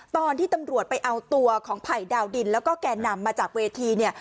ตอนที่ตำรวจไปเอาตัวของไผ่ดาวดินแล้วก็แก่นำมาจากเวทีเนี่ย